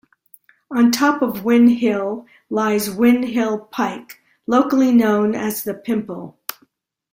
On top of Win Hill lies Win Hill Pike, locally known as the Pimple.